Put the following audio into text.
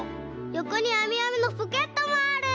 よこにあみあみのポケットもある！